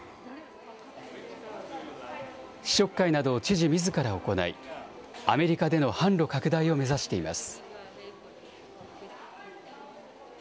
試食会など、知事みずから行い、アメリカでの販路拡大を目指しています。